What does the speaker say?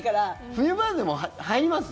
冬場でも、入ります？